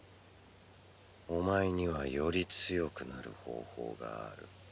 お前にはより強くなる方法がある。